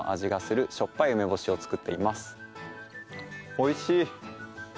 おいしい！